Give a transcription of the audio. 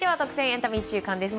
エンタメ１週間です。